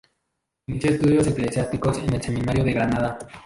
Inició estudios eclesiásticos en el seminario de Granada.